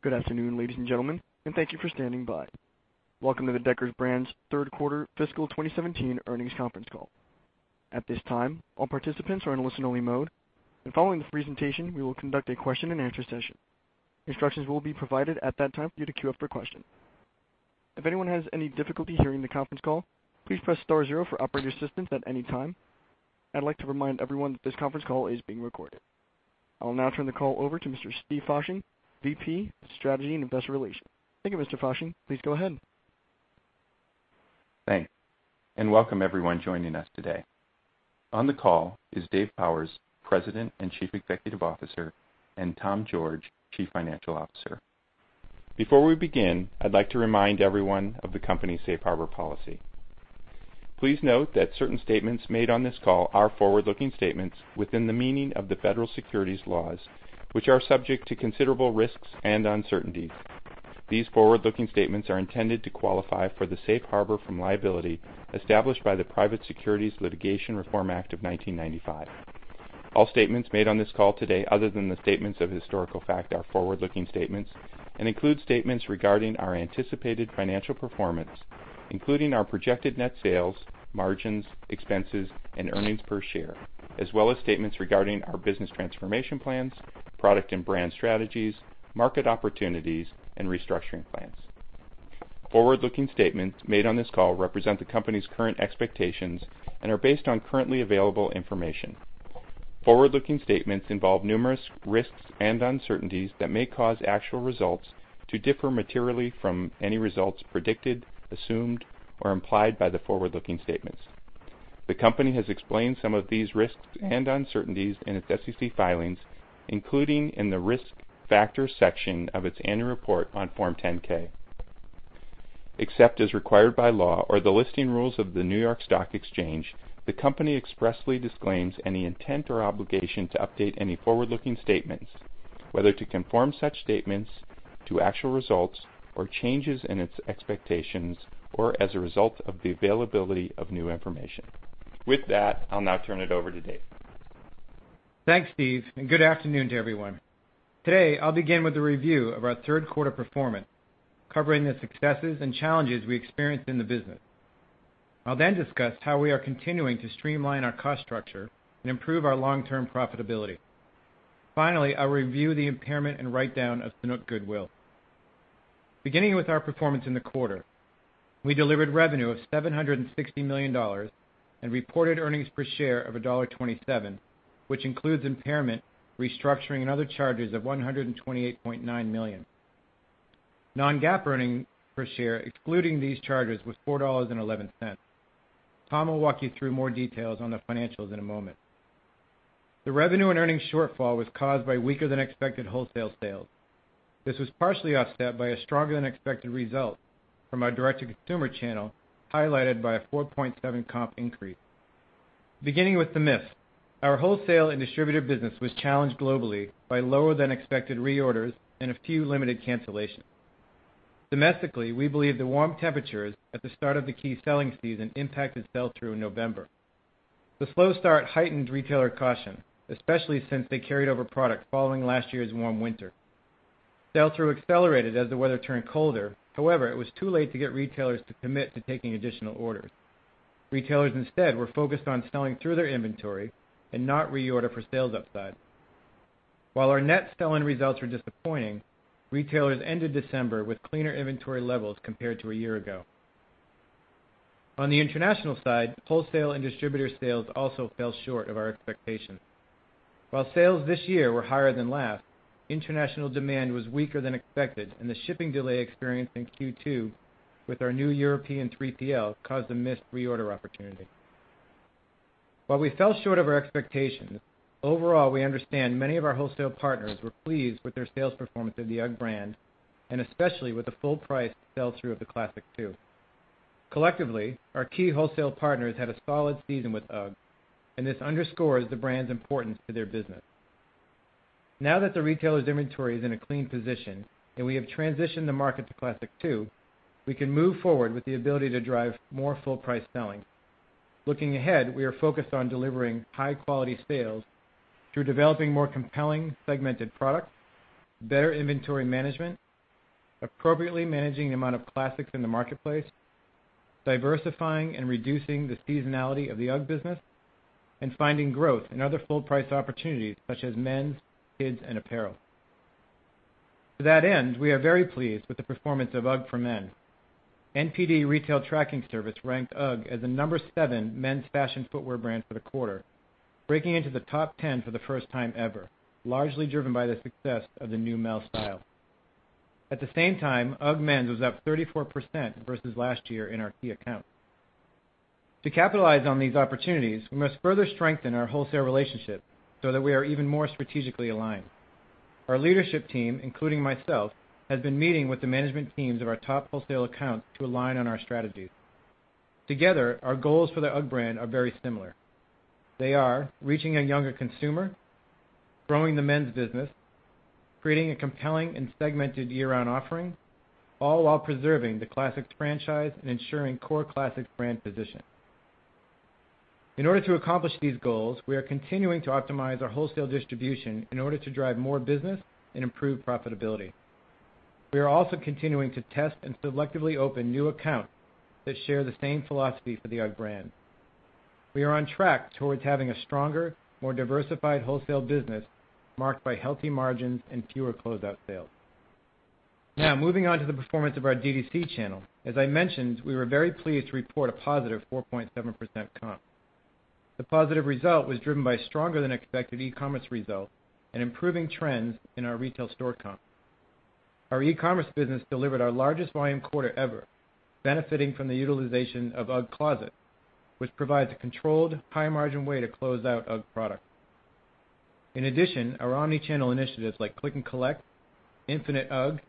Good afternoon, ladies and gentlemen, and thank you for standing by. Welcome to the Deckers Brands' third quarter fiscal 2017 earnings conference call. At this time, all participants are in listen-only mode, and following the presentation, we will conduct a question and answer session. Instructions will be provided at that time for you to queue up your question. If anyone has any difficulty hearing the conference call, please press star zero for operator assistance at any time. I'd like to remind everyone that this conference call is being recorded. I'll now turn the call over to Mr. Steve Fasching, VP of Strategy and Investor Relations. Thank you, Mr. Fasching. Please go ahead. Thanks. Welcome everyone joining us today. On the call is Dave Powers, President and Chief Executive Officer, and Tom George, Chief Financial Officer. Before we begin, I'd like to remind everyone of the company's safe harbor policy. Please note that certain statements made on this call are forward-looking statements within the meaning of the federal securities laws, which are subject to considerable risks and uncertainties. These forward-looking statements are intended to qualify for the safe harbor from liability established by the Private Securities Litigation Reform Act of 1995. All statements made on this call today, other than the statements of historical fact, are forward-looking statements and include statements regarding our anticipated financial performance, including our projected net sales, margins, expenses, and earnings per share, as well as statements regarding our business transformation plans, product and brand strategies, market opportunities, and restructuring plans. Forward-looking statements made on this call represent the company's current expectations and are based on currently available information. Forward-looking statements involve numerous risks and uncertainties that may cause actual results to differ materially from any results predicted, assumed, or implied by the forward-looking statements. The company has explained some of these risks and uncertainties in its SEC filings, including in the Risk Factors section of its annual report on Form 10-K. Except as required by law or the listing rules of the New York Stock Exchange, the company expressly disclaims any intent or obligation to update any forward-looking statements, whether to conform such statements to actual results or changes in its expectations, or as a result of the availability of new information. With that, I'll now turn it over to Dave. Thanks, Steve. Good afternoon to everyone. Today, I'll begin with a review of our third quarter performance, covering the successes and challenges we experienced in the business. I'll then discuss how we are continuing to streamline our cost structure and improve our long-term profitability. Finally, I'll review the impairment and write-down of Sanuk goodwill. Beginning with our performance in the quarter, we delivered revenue of $760 million and reported earnings per share of $1.27, which includes impairment, restructuring, and other charges of $128.9 million. Non-GAAP earnings per share, excluding these charges, was $4.11. Tom will walk you through more details on the financials in a moment. The revenue and earnings shortfall was caused by weaker than expected wholesale sales. This was partially offset by a stronger than expected result from our direct-to-consumer channel, highlighted by a 4.7% comp increase. Beginning with the miss, our wholesale and distributor business was challenged globally by lower than expected reorders and a few limited cancellations. Domestically, we believe the warm temperatures at the start of the key selling season impacted sell-through in November. The slow start heightened retailer caution, especially since they carried over product following last year's warm winter. Sell-through accelerated as the weather turned colder. However, it was too late to get retailers to commit to taking additional orders. Retailers instead were focused on selling through their inventory and not reorder for sales upside. While our net selling results were disappointing, retailers ended December with cleaner inventory levels compared to a year ago. On the international side, wholesale and distributor sales also fell short of our expectations. While sales this year were higher than last, international demand was weaker than expected, and the shipping delay experienced in Q2 with our new European 3PL caused a missed reorder opportunity. While we fell short of our expectations, overall, we understand many of our wholesale partners were pleased with their sales performance of the UGG brand and especially with the full price sell-through of the Classic II. Collectively, our key wholesale partners had a solid season with UGG, and this underscores the brand's importance to their business. Now that the retailer's inventory is in a clean position and we have transitioned the market to Classic II, we can move forward with the ability to drive more full price selling. Looking ahead, we are focused on delivering high-quality sales through developing more compelling segmented products, better inventory management, appropriately managing the amount of Classics in the marketplace, diversifying and reducing the seasonality of the UGG business, and finding growth in other full price opportunities such as men's, kids, and apparel. To that end, we are very pleased with the performance of UGG for men. NPD Retail Tracking Service ranked UGG as the number 7 men's fashion footwear brand for the quarter, breaking into the top 10 for the first time ever, largely driven by the success of the new Neumel style. At the same time, UGG men's was up 34% versus last year in our key accounts. To capitalize on these opportunities, we must further strengthen our wholesale relationships so that we are even more strategically aligned. Our leadership team, including myself, has been meeting with the management teams of our top wholesale accounts to align on our strategy. Together, our goals for the UGG brand are very similar. They are reaching a younger consumer, growing the men's business, creating a compelling and segmented year-round offering, all while preserving the Classics franchise and ensuring core Classic brand position. In order to accomplish these goals, we are continuing to optimize our wholesale distribution in order to drive more business and improve profitability. We are also continuing to test and selectively open new accounts that share the same philosophy for the UGG brand. We are on track towards having a stronger, more diversified wholesale business marked by healthy margins and fewer closeout sales. Now, moving on to the performance of our D2C channel. As I mentioned, we were very pleased to report a positive 4.7% comp. The positive result was driven by stronger than expected e-commerce results and improving trends in our retail store comp. Our e-commerce business delivered our largest volume quarter ever, benefiting from the utilization of UGG Closet, which provides a controlled, high-margin way to close out UGG product. In addition, our omni-channel initiatives like Click and Collect, Infinite UGG,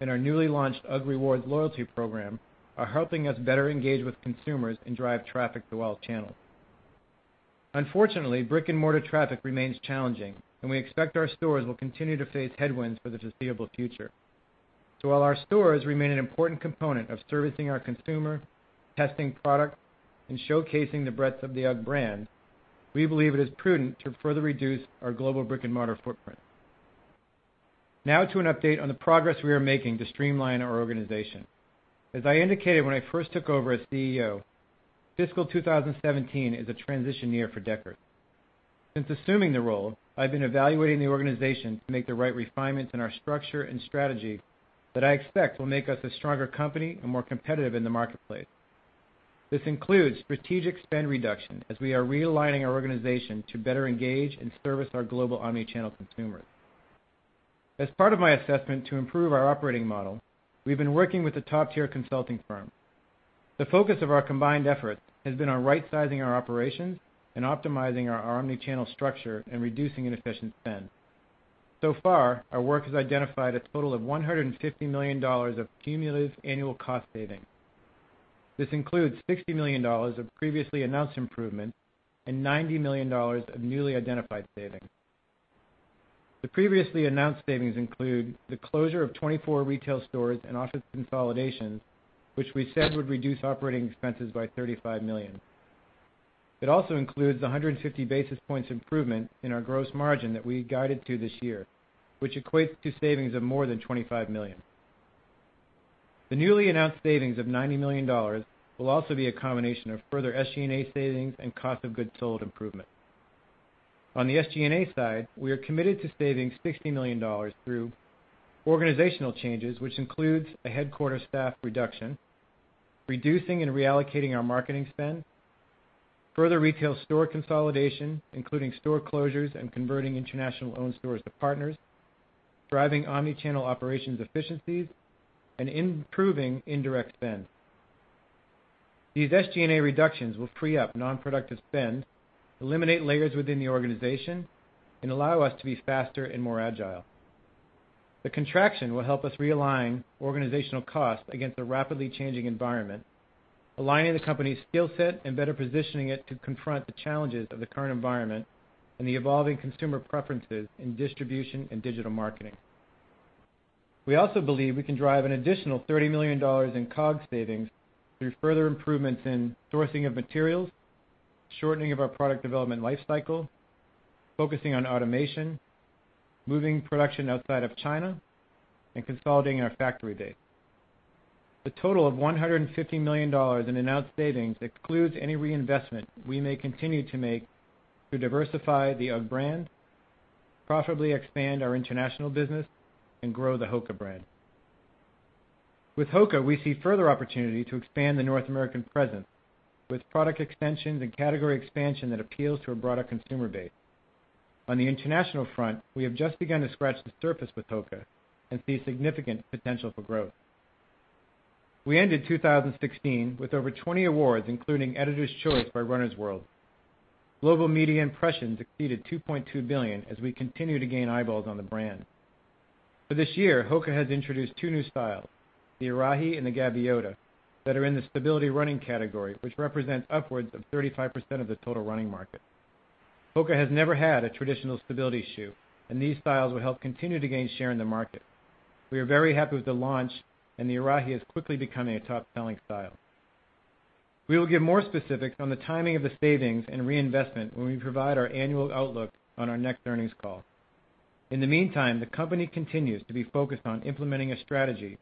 and our newly launched UGG Rewards loyalty program are helping us better engage with consumers and drive traffic to all channels. Unfortunately, brick-and-mortar traffic remains challenging, we expect our stores will continue to face headwinds for the foreseeable future. While our stores remain an important component of servicing our consumer, testing product, and showcasing the breadth of the UGG brand, we believe it is prudent to further reduce our global brick-and-mortar footprint. Now to an update on the progress we are making to streamline our organization. As I indicated when I first took over as CEO, fiscal 2017 is a transition year for Deckers. Since assuming the role, I've been evaluating the organization to make the right refinements in our structure and strategy that I expect will make us a stronger company and more competitive in the marketplace. This includes strategic spend reduction as we are realigning our organization to better engage and service our global omni-channel consumers. As part of my assessment to improve our operating model, we've been working with a top-tier consulting firm. The focus of our combined efforts has been on right-sizing our operations and optimizing our omni-channel structure and reducing inefficient spend. So far, our work has identified a total of $150 million of cumulative annual cost savings. This includes $60 million of previously announced improvements and $90 million of newly identified savings. The previously announced savings include the closure of 24 retail stores and office consolidations, which we said would reduce operating expenses by $35 million. It also includes 150 basis points improvement in our gross margin that we guided to this year, which equates to savings of more than $25 million. The newly announced savings of $90 million will also be a combination of further SG&A savings and cost of goods sold improvement. On the SG&A side, we are committed to saving $60 million through organizational changes, which includes a headquarter staff reduction, reducing and reallocating our marketing spend, further retail store consolidation, including store closures and converting international owned stores to partners, driving omni-channel operations efficiencies, and improving indirect spend. These SG&A reductions will free up non-productive spend, eliminate layers within the organization, and allow us to be faster and more agile. The contraction will help us realign organizational costs against a rapidly changing environment, aligning the company's skill set and better positioning it to confront the challenges of the current environment and the evolving consumer preferences in distribution and digital marketing. We also believe we can drive an additional $30 million in COGS savings through further improvements in sourcing of materials, shortening of our product development lifecycle, focusing on automation, moving production outside of China, and consolidating our factory base. The total of $150 million in announced savings excludes any reinvestment we may continue to make to diversify the UGG brand, profitably expand our international business, and grow the HOKA brand. With HOKA, we see further opportunity to expand the North American presence with product extensions and category expansion that appeals to a broader consumer base. On the international front, we have just begun to scratch the surface with HOKA and see significant potential for growth. We ended 2016 with over 20 awards, including Editor's Choice by Runner's World. Global media impressions exceeded 2.2 billion as we continue to gain eyeballs on the brand. For this year, HOKA has introduced two new styles, the Arahi and the Gaviota, that are in the stability running category, which represents upwards of 35% of the total running market. HOKA has never had a traditional stability shoe, and these styles will help continue to gain share in the market. We are very happy with the launch, and the Arahi is quickly becoming a top-selling style. We will give more specifics on the timing of the savings and reinvestment when we provide our annual outlook on our next earnings call. In the meantime, the company continues to be focused on implementing a strategy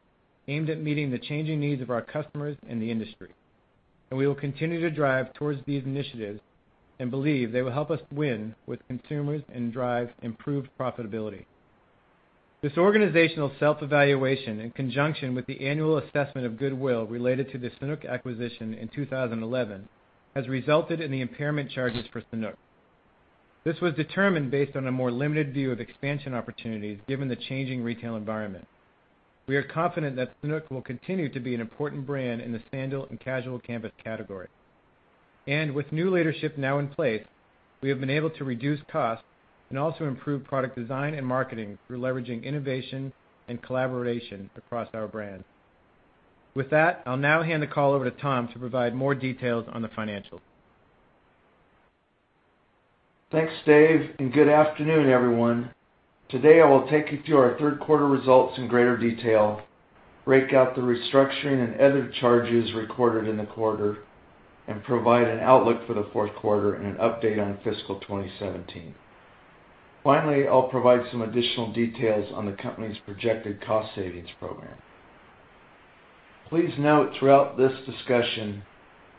aimed at meeting the changing needs of our customers and the industry. We will continue to drive towards these initiatives and believe they will help us win with consumers and drive improved profitability. This organizational self-evaluation, in conjunction with the annual assessment of goodwill related to the Sanuk acquisition in 2011, has resulted in the impairment charges for Sanuk. This was determined based on a more limited view of expansion opportunities, given the changing retail environment. We are confident that Sanuk will continue to be an important brand in the sandal and casual campus category. With new leadership now in place, we have been able to reduce costs and also improve product design and marketing through leveraging innovation and collaboration across our brands. With that, I'll now hand the call over to Tom to provide more details on the financials. Thanks, Dave. Good afternoon, everyone. Today, I will take you through our third quarter results in greater detail, break out the restructuring and other charges recorded in the quarter, and provide an outlook for the fourth quarter and an update on fiscal 2017. Finally, I'll provide some additional details on the company's projected cost savings program. Please note throughout this discussion,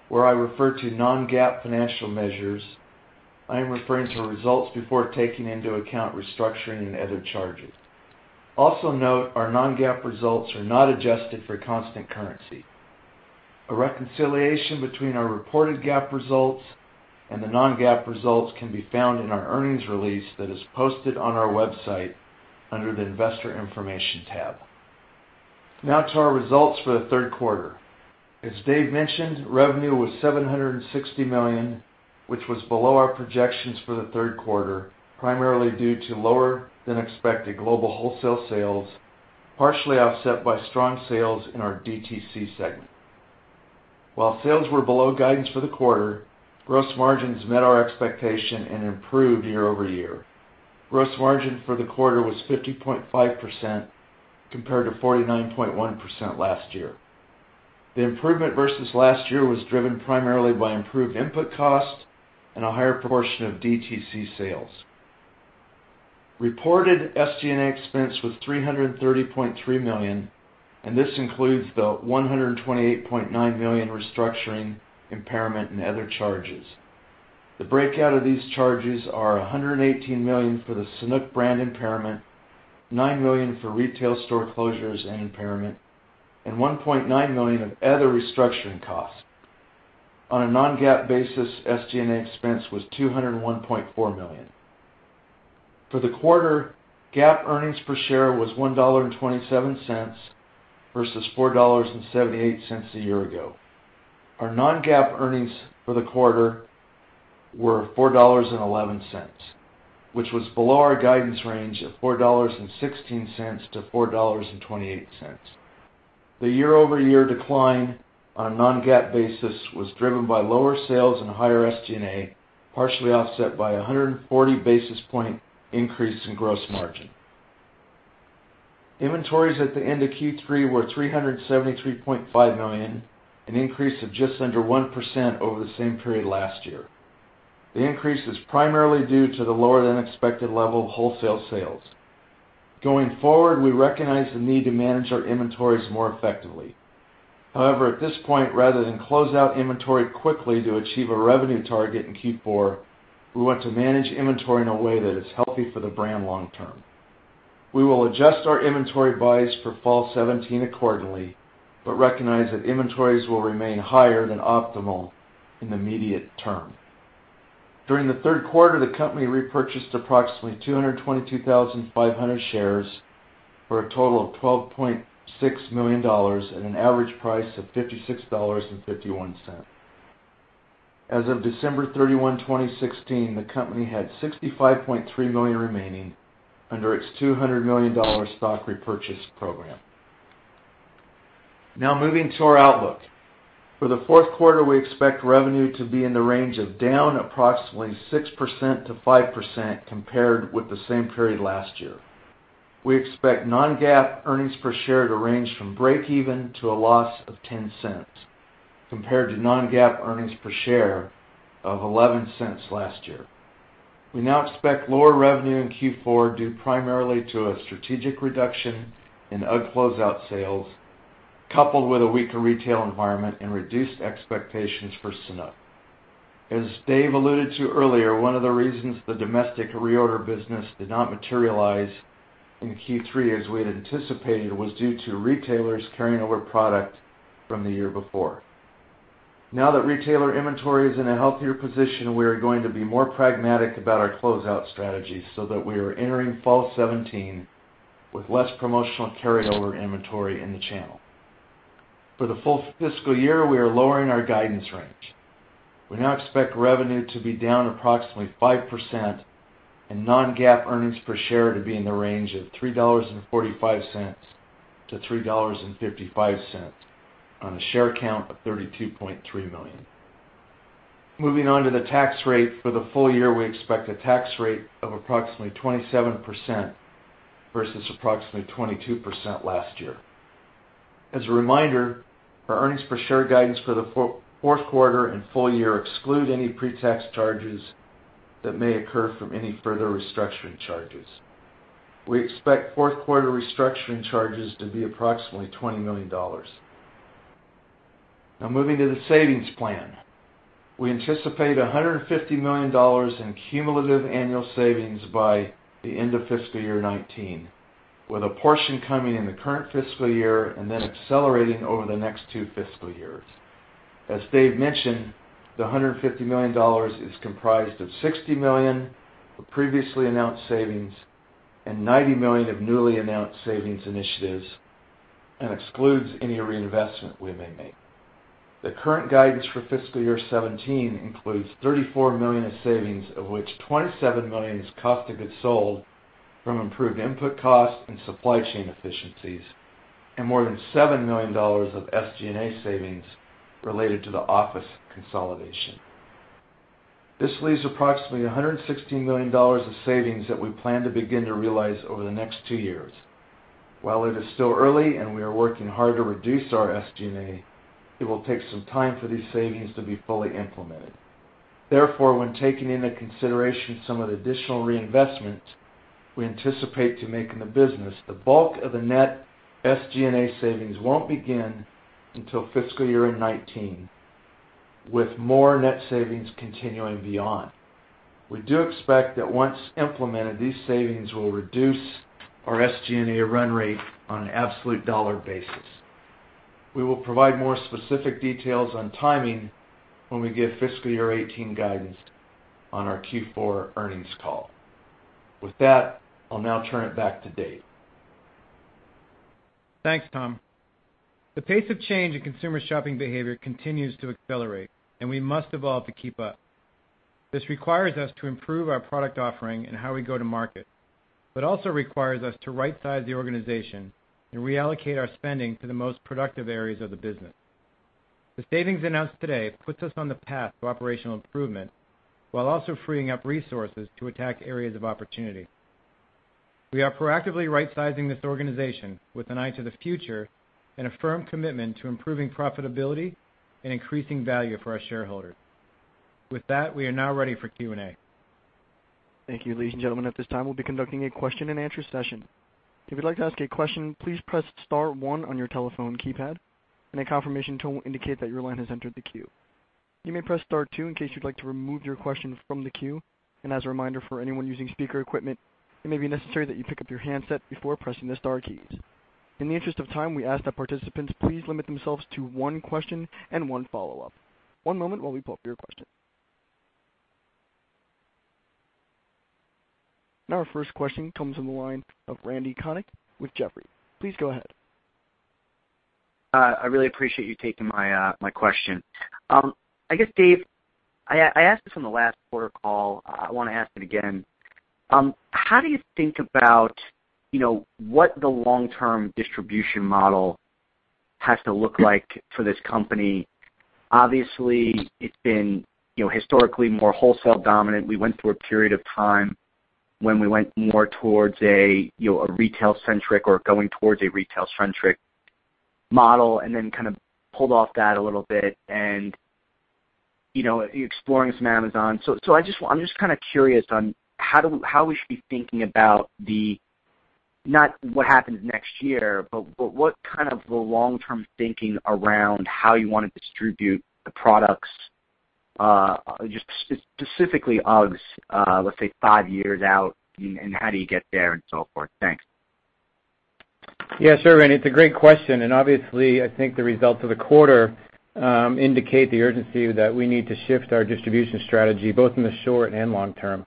where I refer to non-GAAP financial measures, I am referring to results before taking into account restructuring and other charges. Also note our non-GAAP results are not adjusted for constant currency. A reconciliation between our reported GAAP results and the non-GAAP results can be found in our earnings release that is posted on our website under the Investor Information Tab. Now to our results for the third quarter. As Dave mentioned, revenue was $760 million, which was below our projections for the third quarter, primarily due to lower than expected global wholesale sales, partially offset by strong sales in our DTC segment. While sales were below guidance for the quarter, gross margins met our expectation and improved year-over-year. Gross margin for the quarter was 50.5% compared to 49.1% last year. The improvement versus last year was driven primarily by improved input costs and a higher proportion of DTC sales. Reported SG&A expense was $330.3 million. This includes the $128.9 million restructuring impairment and other charges. The breakout of these charges are $118 million for the Sanuk brand impairment, $9 million for retail store closures and impairment, and $1.9 million of other restructuring costs. On a non-GAAP basis, SG&A expense was $201.4 million. For the quarter, GAAP earnings per share was $1.27 versus $4.78 a year ago. Our non-GAAP earnings for the quarter were $4.11, which was below our guidance range of $4.16 to $4.28. The year-over-year decline on a non-GAAP basis was driven by lower sales and higher SG&A, partially offset by 140 basis points increase in gross margin. Inventories at the end of Q3 were $373.5 million, an increase of just under 1% over the same period last year. The increase is primarily due to the lower than expected level of wholesale sales. Going forward, we recognize the need to manage our inventories more effectively. However, at this point, rather than close out inventory quickly to achieve a revenue target in Q4, we want to manage inventory in a way that is healthy for the brand long term. We will adjust our inventory buys for fall 2017 accordingly. We recognize that inventories will remain higher than optimal in the immediate term. During the third quarter, the company repurchased approximately 222,500 shares for a total of $12.6 million at an average price of $56.51. As of December 31, 2016, the company had $65.3 million remaining under its $200 million stock repurchase program. Now, moving to our outlook. For the fourth quarter, we expect revenue to be in the range of down approximately 6% to 5% compared with the same period last year. We expect non-GAAP earnings per share to range from breakeven to a loss of $0.10, compared to non-GAAP earnings per share of $0.11 last year. We now expect lower revenue in Q4 due primarily to a strategic reduction in UGG closeout sales, coupled with a weaker retail environment and reduced expectations for Sanuk. As Dave alluded to earlier, one of the reasons the domestic reorder business did not materialize in Q3 as we had anticipated was due to retailers carrying over product from the year before. Now that retailer inventory is in a healthier position, we are going to be more pragmatic about our closeout strategy so that we are entering fall 2017 with less promotional carryover inventory in the channel. For the full fiscal year, we are lowering our guidance range. We now expect revenue to be down approximately 5% and non-GAAP earnings per share to be in the range of $3.45 to $3.55 on a share count of 32.3 million. Moving on to the tax rate. For the full year, we expect a tax rate of approximately 27% versus approximately 22% last year. As a reminder, our earnings per share guidance for the fourth quarter and full year exclude any pre-tax charges that may occur from any further restructuring charges. We expect fourth quarter restructuring charges to be approximately $20 million. Now, moving to the savings plan. We anticipate $150 million in cumulative annual savings by the end of fiscal year 2019, with a portion coming in the current fiscal year, then accelerating over the next two fiscal years. As Dave mentioned, the $150 million is comprised of $60 million of previously announced savings and $90 million of newly announced savings initiatives and excludes any reinvestment we may make. The current guidance for fiscal year 2017 includes $34 million of savings, of which $27 million is cost of goods sold from improved input costs and supply chain efficiencies. More than $7 million of SG&A savings related to the office consolidation. This leaves approximately $116 million of savings that we plan to begin to realize over the next two years. While it is still early and we are working hard to reduce our SG&A, it will take some time for these savings to be fully implemented. Therefore, when taking into consideration some of the additional reinvestment we anticipate to make in the business, the bulk of the net SG&A savings won't begin until fiscal year 2019, with more net savings continuing beyond. We do expect that once implemented, these savings will reduce our SG&A run rate on an absolute dollar basis. We will provide more specific details on timing when we give fiscal year 2018 guidance on our Q4 earnings call. With that, I'll now turn it back to Dave. Thanks, Tom. The pace of change in consumer shopping behavior continues to accelerate. We must evolve to keep up. This requires us to improve our product offering and how we go to market. Also requires us to rightsize the organization and reallocate our spending to the most productive areas of the business. The savings announced today puts us on the path to operational improvement while also freeing up resources to attack areas of opportunity. We are proactively rightsizing this organization with an eye to the future and a firm commitment to improving profitability and increasing value for our shareholders. With that, we are now ready for Q&A. Thank you, ladies and gentlemen. At this time, we'll be conducting a question and answer session. If you'd like to ask a question, please press star one on your telephone keypad and a confirmation tone will indicate that your line has entered the queue. You may press star two in case you'd like to remove your question from the queue. As a reminder for anyone using speaker equipment, it may be necessary that you pick up your handset before pressing the star keys. In the interest of time, we ask that participants please limit themselves to one question and one follow-up. One moment while we pull up your question. Now our first question comes from the line of Randal Konik with Jefferies. Please go ahead. I really appreciate you taking my question. I guess, Dave, I asked this on the last quarter call. I want to ask it again. How do you think about what the long-term distribution model has to look like for this company? Obviously, it's been historically more wholesale dominant. We went through a period of time when we went more towards a retail centric or going towards a retail centric model and then kind of pulled off that a little bit and, you're exploring some Amazon. I'm just kind of curious on how we should be thinking about the, not what happens next year, but what kind of the long-term thinking around how you want to distribute the products, just specifically UGGs let's say five years out, and how do you get there and so forth? Thanks. Yeah, sure, Randy. It's a great question. Obviously, I think the results of the quarter indicate the urgency that we need to shift our distribution strategy both in the short and long term.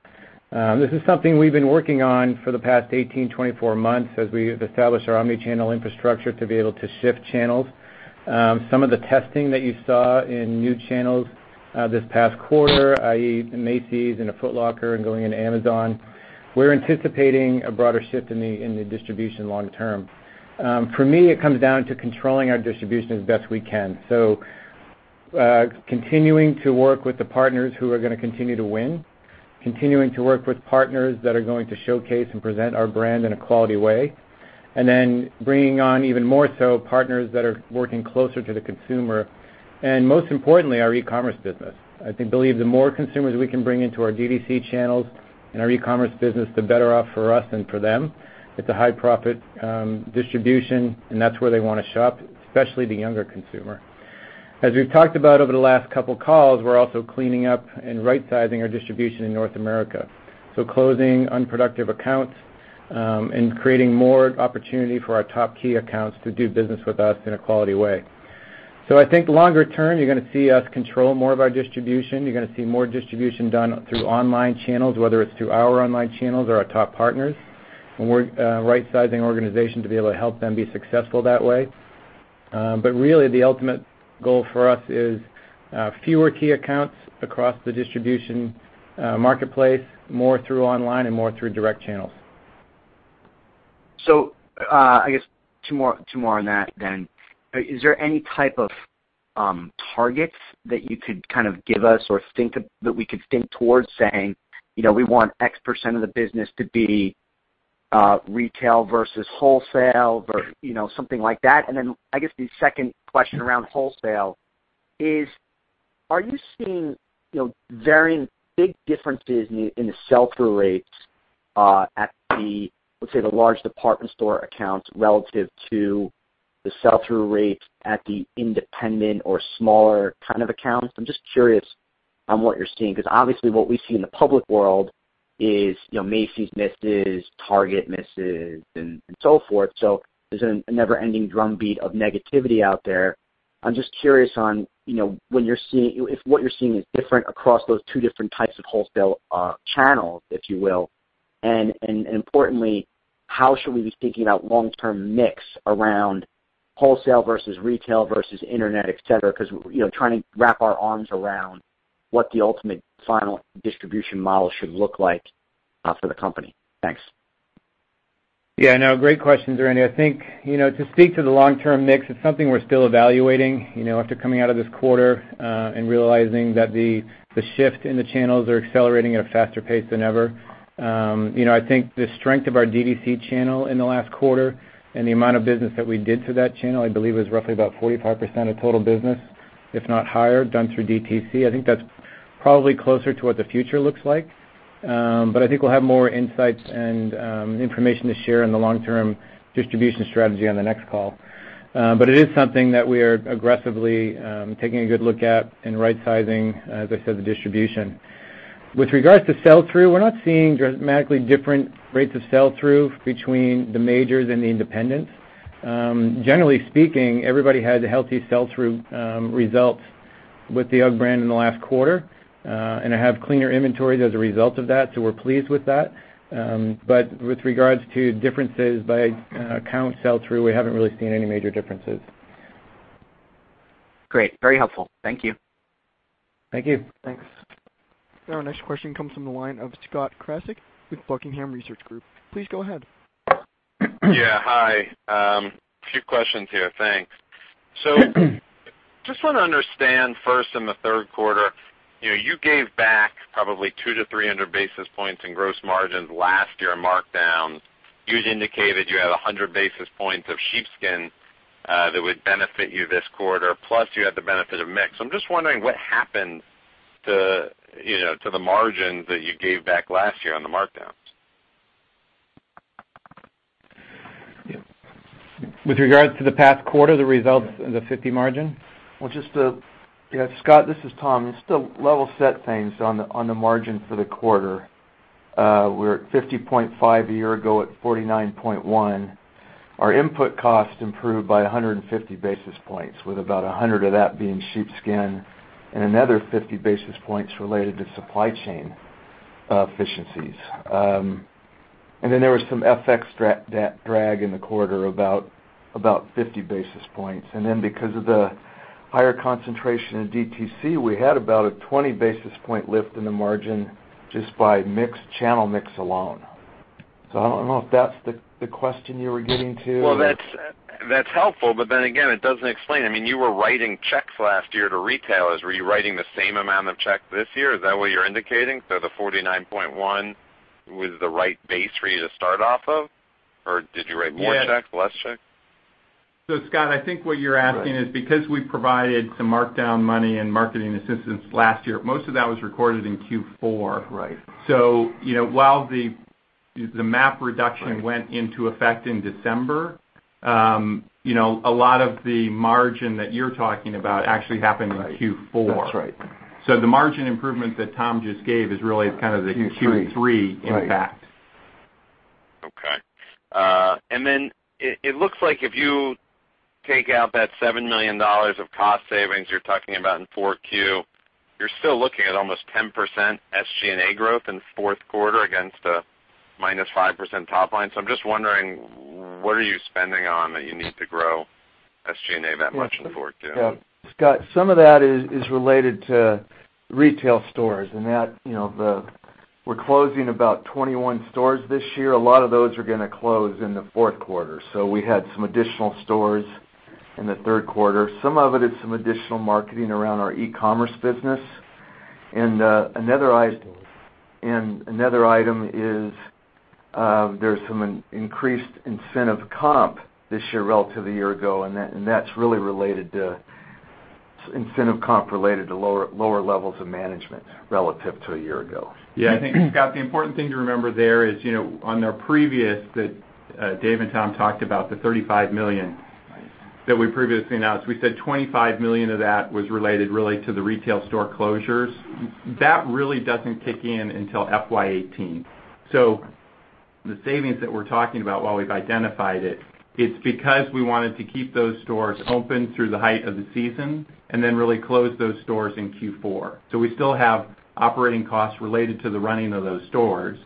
This is something we've been working on for the past 18, 24 months as we established our omni-channel infrastructure to be able to shift channels. Some of the testing that you saw in new channels this past quarter, i.e. Macy's and a Foot Locker and going into Amazon, we're anticipating a broader shift in the distribution long term. For me, it comes down to controlling our distribution as best we can. Continuing to work with the partners who are going to continue to win, continuing to work with partners that are going to showcase and present our brand in a quality way, and then bringing on even more so partners that are working closer to the consumer, and most importantly, our e-commerce business. I believe the more consumers we can bring into our D2C channels and our e-commerce business, the better off for us and for them. It's a high profit distribution, and that's where they want to shop, especially the younger consumer. As we've talked about over the last couple calls, we're also cleaning up and rightsizing our distribution in North America. Closing unproductive accounts, and creating more opportunity for our top key accounts to do business with us in a quality way. I think longer term, you're going to see us control more of our distribution. You're going to see more distribution done through online channels, whether it's through our online channels or our top partners. We're rightsizing our organization to be able to help them be successful that way. Really the ultimate goal for us is fewer key accounts across the distribution marketplace, more through online and more through direct channels. I guess two more on that. Is there any type of targets that you could kind of give us or that we could think towards saying, we want X% of the business to be retail versus wholesale something like that? I guess the second question around wholesale is, are you seeing varying big differences in the sell-through rates at the, let's say, the large department store accounts relative to the sell-through rates at the independent or smaller kind of accounts? I'm just curious on what you're seeing, because obviously what we see in the public world is Macy's misses, Target misses, and so forth. There's a never-ending drumbeat of negativity out there. I'm just curious on if what you're seeing is different across those two different types of wholesale channels, if you will. Importantly, how should we be thinking about long-term mix around wholesale versus retail versus internet, et cetera? Because trying to wrap our arms around what the ultimate final distribution model should look like for the company. Thanks. Great questions, Randy. To speak to the long-term mix, it's something we're still evaluating after coming out of this quarter, realizing that the shift in the channels are accelerating at a faster pace than ever. The strength of our DTC channel in the last quarter and the amount of business that we did to that channel, I believe, was roughly about 45% of total business, if not higher, done through DTC. That's probably closer to what the future looks like. We'll have more insights and information to share on the long-term distribution strategy on the next call. It is something that we are aggressively taking a good look at and right-sizing, as I said, the distribution. With regards to sell-through, we're not seeing dramatically different rates of sell-through between the majors and the independents. Generally speaking, everybody had healthy sell-through results with the UGG brand in the last quarter. Have cleaner inventories as a result of that, so we're pleased with that. With regards to differences by count sell-through, we haven't really seen any major differences. Great. Very helpful. Thank you. Thank you. Thanks. Our next question comes from the line of Scott Krasik with Buckingham Research Group. Please go ahead. Yeah. Hi. A few questions here. Thanks. Just want to understand first, in the third quarter, you gave back probably 200 to 300 basis points in gross margins last year in markdowns. You'd indicated you had 100 basis points of sheepskin that would benefit you this quarter, plus you had the benefit of mix. I am just wondering what happened to the margins that you gave back last year on the markdowns. With regards to the past quarter, the results in the 50% margin? Well, Scott, this is Tom. Just to level set things on the margin for the quarter, we were at 50.5% a year ago, at 49.1%. Our input cost improved by 150 basis points, with about 100 of that being sheepskin and another 50 basis points related to supply chain efficiencies. There was some FX drag in the quarter, about 50 basis points. Because of the higher concentration in DTC, we had about a 20 basis point lift in the margin just by channel mix alone. I don't know if that's the question you were getting to. Well, that's helpful, it doesn't explain. You were writing checks last year to retailers. Were you writing the same amount of checks this year? Is that what you're indicating? The 49.1% was the right base for you to start off of? Did you write more checks, less checks? Scott, I think what you're asking is because we provided some markdown money and marketing assistance last year, most of that was recorded in Q4. Right. While the MAP reduction went into effect in December, a lot of the margin that you're talking about actually happened in Q4. That's right. The margin improvement that Tom just gave is really. Q3 Q3 impact. Okay. It looks like if you take out that $7 million of cost savings you're talking about in 4Q, you're still looking at almost 10% SG&A growth in the fourth quarter against a minus 5% top line. I'm just wondering, what are you spending on that you need to grow SG&A that much in 4Q? Scott, some of that is related to retail stores and that we're closing about 21 stores this year. A lot of those are going to close in the fourth quarter. Some of it is some additional marketing around our e-commerce business. Another item is there's some increased incentive comp this year relative to a year ago, and that's really incentive comp related to lower levels of management relative to a year ago. Yeah. I think, Scott, the important thing to remember there is on our previous, that Dave and Tom talked about the $35 million that we previously announced. We said $25 million of that was related really to the retail store closures. That really doesn't kick in until FY 2018. The savings that we're talking about, while we've identified it's because we wanted to keep those stores open through the height of the season and then really close those stores in Q4. We still have operating costs related to the running of those stores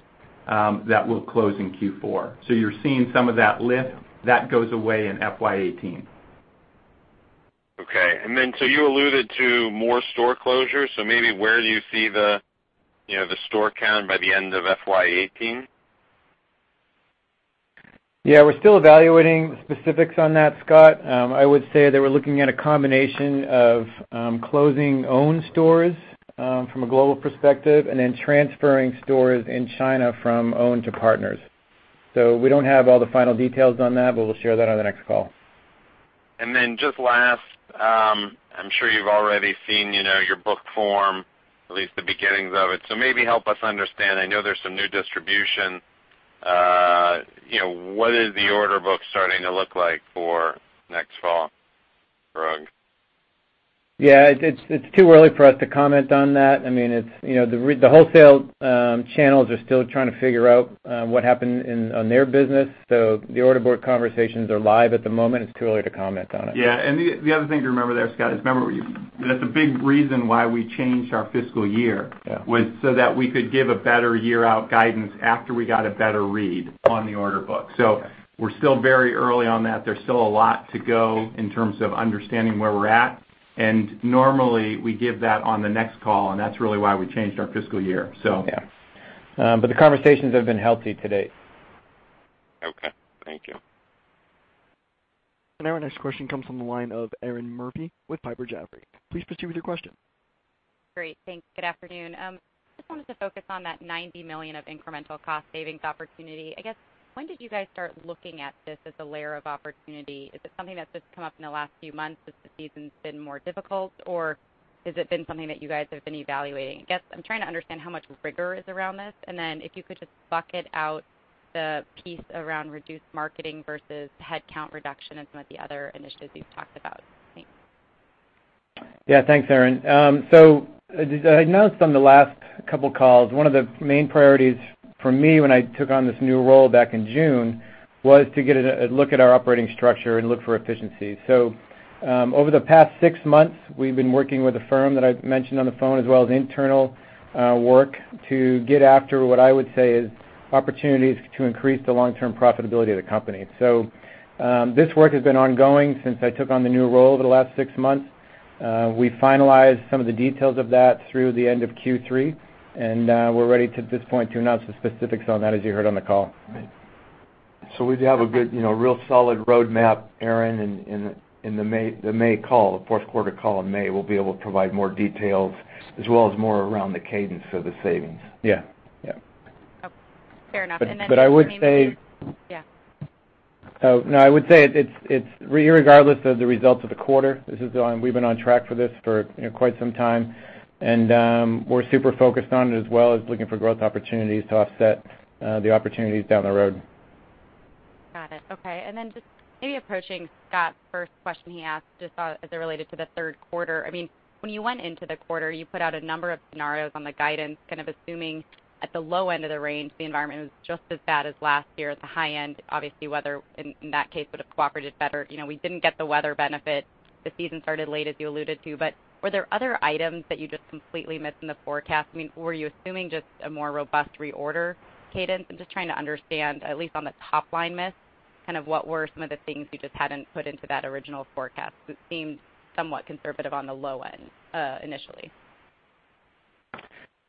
that will close in Q4. You're seeing some of that lift. That goes away in FY 2018. Okay. You alluded to more store closures. Maybe where do you see the store count by the end of FY 2018? We're still evaluating the specifics on that, Scott. I would say that we're looking at a combination of closing own stores from a global perspective and then transferring stores in China from own to partners. We don't have all the final details on that, but we'll share that on the next call. Just last, I'm sure you've already seen your book form, at least the beginnings of it. Maybe help us understand, I know there's some new distribution. What is the order book starting to look like for next fall for UGG? It's too early for us to comment on that. The wholesale channels are still trying to figure out what happened on their business. The order board conversations are live at the moment. It's too early to comment on it. The other thing to remember there, Scott, is remember that's a big reason why we changed our fiscal year- Yeah was so that we could give a better year-out guidance after we got a better read on the order book. We're still very early on that. There's still a lot to go in terms of understanding where we're at. Normally, we give that on the next call, and that's really why we changed our fiscal year. Yeah. The conversations have been healthy to date. Okay. Thank you. Now our next question comes from the line of Erinn Murphy with Piper Jaffray. Please proceed with your question. Great. Thanks. Good afternoon. Just wanted to focus on that $90 million of incremental cost savings opportunity. I guess, when did you guys start looking at this as a layer of opportunity? Is it something that's just come up in the last few months as the season's been more difficult, or has it been something that you guys have been evaluating? I guess I'm trying to understand how much rigor is around this, then if you could just bucket out the piece around reduced marketing versus headcount reduction and some of the other initiatives you've talked about. Thanks. Yeah. Thanks, Erinn. I noticed on the last couple calls, one of the main priorities for me when I took on this new role back in June, was to get a look at our operating structure and look for efficiencies. Over the past six months, we've been working with a firm that I've mentioned on the phone as well as internal work to get after what I would say is opportunities to increase the long-term profitability of the company. This work has been ongoing since I took on the new role over the last six months. We finalized some of the details of that through the end of Q3, and we're ready to this point to announce the specifics on that as you heard on the call. We have a good, real solid roadmap, Erinn, in the May call, the fourth quarter call in May, we'll be able to provide more details as well as more around the cadence for the savings. Yeah. Okay. Fair enough. Then- I would say. Yeah. No, I would say it's regardless of the results of the quarter, we've been on track for this for quite some time. We're super focused on it, as well as looking for growth opportunities to offset the opportunities down the road. Got it. Okay. Just maybe approaching Scott Krasik's first question he asked, just as it related to the third quarter. When you went into the quarter, you put out a number of scenarios on the guidance, kind of assuming at the low end of the range, the environment was just as bad as last year. At the high end, obviously, weather in that case would've cooperated better. We didn't get the weather benefit. The season started late, as you alluded to. Were there other items that you just completely missed in the forecast? Were you assuming just a more robust reorder cadence? I'm just trying to understand, at least on the top-line miss, what were some of the things you just hadn't put into that original forecast? It seemed somewhat conservative on the low end, initially.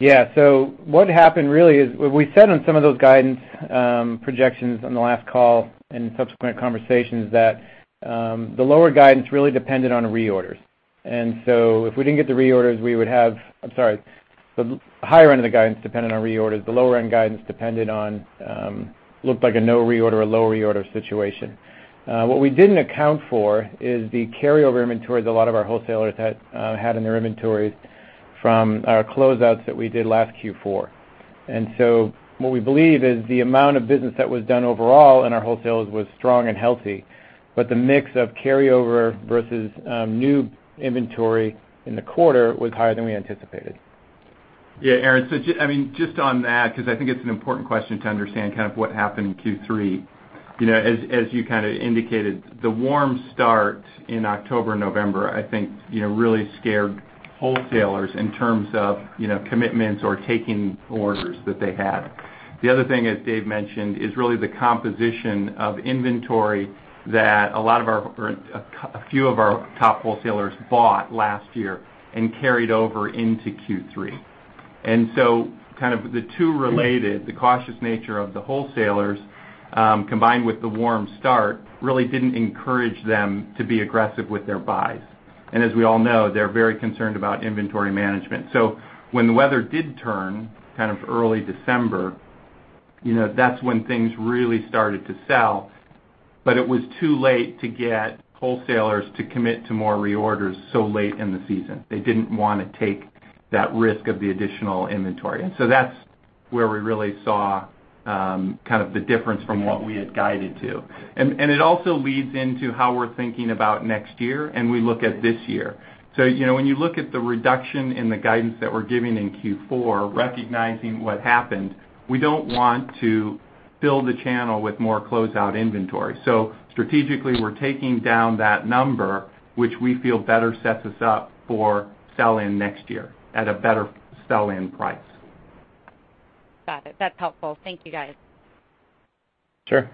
Yeah. What happened really is, we said on some of those guidance projections on the last call and subsequent conversations that the lower guidance really depended on reorders. If we didn't get the reorders, we would have I'm sorry. The higher end of the guidance depended on reorders. The lower end guidance depended on, looked like a no reorder or lower reorder situation. What we didn't account for is the carryover inventories a lot of our wholesalers had in their inventories from our closeouts that we did last Q4. What we believe is the amount of business that was done overall in our wholesalers was strong and healthy, but the mix of carryover versus new inventory in the quarter was higher than we anticipated. Yeah, Erinn, just on that, because I think it's an important question to understand what happened in Q3. As you kind of indicated, the warm start in October, November, I think really scared wholesalers in terms of commitments or taking orders that they had. The other thing, as Dave mentioned, is really the composition of inventory that a few of our top wholesalers bought last year and carried over into Q3. Kind of the two related, the cautious nature of the wholesalers, combined with the warm start, really didn't encourage them to be aggressive with their buys. As we all know, they're very concerned about inventory management. When the weather did turn early December, that's when things really started to sell, but it was too late to get wholesalers to commit to more reorders so late in the season. They didn't want to take that risk of the additional inventory. That's where we really saw the difference from what we had guided to. It also leads into how we're thinking about next year, and we look at this year. When you look at the reduction in the guidance that we're giving in Q4, recognizing what happened, we don't want to fill the channel with more closeout inventory. Strategically, we're taking down that number, which we feel better sets us up for sell-in next year at a better sell-in price. Got it. That's helpful. Thank you, guys. Sure.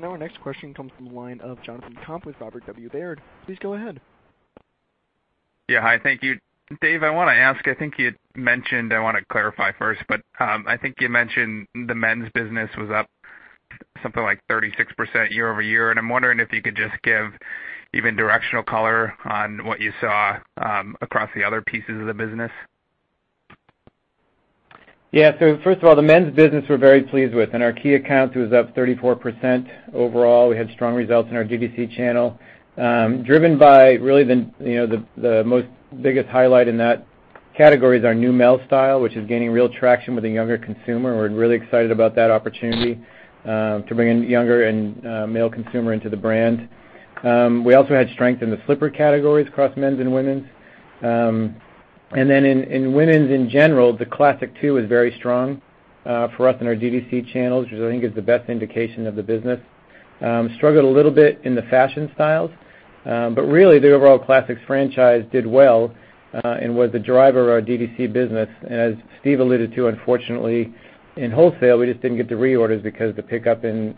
Now our next question comes from the line of Jonathan Komp with Robert W. Baird. Please go ahead. Yeah. Hi. Thank you. Dave, I want to ask, I think you had mentioned, I want to clarify first, but I think you mentioned the men's business was up something like 36% year-over-year, and I'm wondering if you could just give even directional color on what you saw across the other pieces of the business. First of all, the men's business we're very pleased with. In our key accounts, it was up 34% overall. We had strong results in our DTC channel, driven by really the most biggest highlight in that category is our new Neumel style, which is gaining real traction with the younger consumer. We're really excited about that opportunity to bring in younger and Neumel consumer into the brand. We also had strength in the slipper categories across men's and women's. Then in women's in general, the Classic II is very strong for us in our DTC channels, which I think is the best indication of the business. Struggled a little bit in the fashion styles. Really, the overall Classics franchise did well, and was the driver of our DTC business. As Steve alluded to, unfortunately in wholesale, we just didn't get the reorders because the pickup in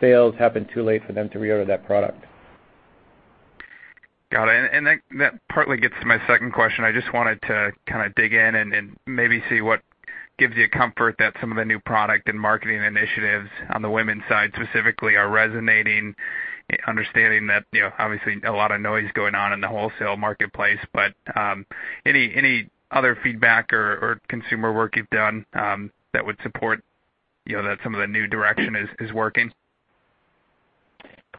sales happened too late for them to reorder that product. Got it. That partly gets to my second question. I just wanted to kind of dig in and maybe see what gives you comfort that some of the new product and marketing initiatives on the women's side specifically are resonating, understanding that obviously a lot of noise going on in the wholesale marketplace. Any other feedback or consumer work you've done that would support that some of the new direction is working?